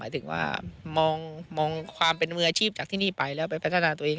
ถึงว่ามองความเป็นมืออาชีพจากที่นี่ไปแล้วไปพัฒนาตัวเอง